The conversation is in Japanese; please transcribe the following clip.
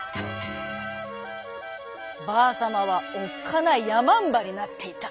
ばあさまはおっかないやまんばになっていた。